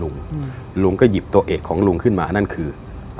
ลุงลุงก็หยิบตัวเอกของลุงขึ้นมานั่นคือ